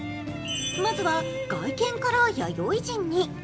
まずは外見から弥生人に。